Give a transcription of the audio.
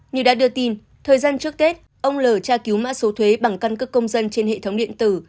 như đã đưa tin thời gian trước tết ông l tra cứu mã số thuế bằng căn cước công dân trên hệ thống điện tử